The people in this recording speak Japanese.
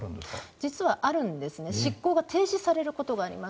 実は執行が停止されることがあります。